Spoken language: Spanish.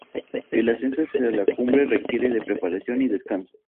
El ascenso hacia la cumbre requiere de preparación y descanso.